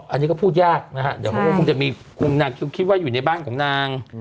อันนี้ก็พูดยากนะฮะเดี๋ยวเขาก็คงจะมีคุณนางคิดว่าอยู่ในบ้านของนาง